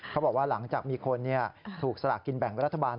เขาบอกว่าหลังจากมีคนถูกสลากกินแบ่งรัฐบาล